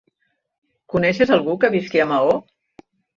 Coneixes algú que visqui a Maó?